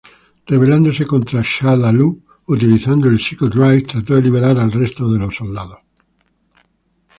Rebelándose contra Shadaloo, utilizando el Psycho Drive trató de liberar al resto de soldados.